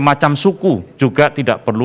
macam suku juga tidak perlu